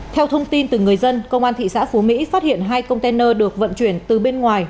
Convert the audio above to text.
theo thông tin từ người dân công an thị xã phú mỹ phát hiện hai container được vận chuyển từ bên ngoài